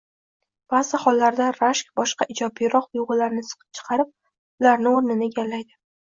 Ba’zi hollarda rashk boshqa ijobiyroq tuyg‘ularni siqib chiqarib, ularni o‘rnini egallaydi.